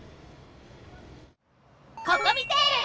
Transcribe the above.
ココミテール！